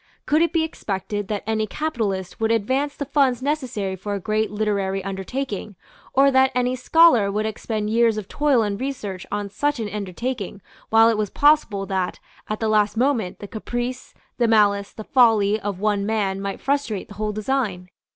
Could it be expected that any capitalist would advance the funds necessary for a great literary undertaking, or that any scholar would expend years of toil and research on such an undertaking, while it was possible that, at the last moment, the caprice, the malice, the folly of one man might frustrate the whole design?